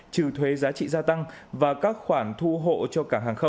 trừ thuế giá trị gia tăng và các khoản thu hộ